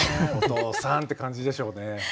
「お父さん！」って感じでしょうね。